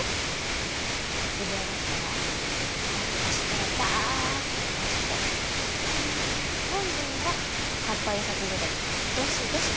刷り上がったら片っ端からバッて干して本文は活版印刷所でどしどし刷って。